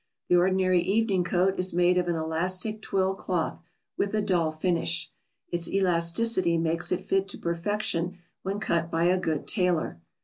The ordinary evening coat is made of an elastic twill cloth, with a dull finish. Its elasticity makes it fit to perfection when cut by a good tailor.